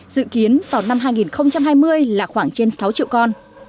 dự kiến vào năm hai nghìn hai mươi là khoảng trên sáu triệu con